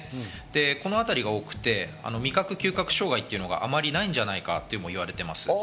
このあたりが多くて、味覚・嗅覚障害というのがあまりないんじゃないかといわれています。